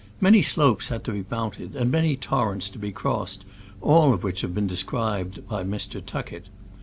Many slopes had to be mounted, and many torrents to be cross ed, all of which have been described by Mr. Tuckett.